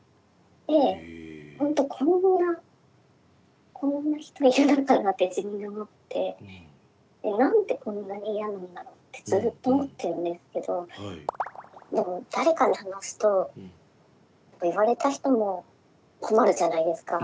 でほんとこんなこんな人いるのかなって自分で思ってで「何でこんなに嫌なんだろう」ってずっと思ってるんですけどでも誰かに話すと言われた人も困るじゃないですか？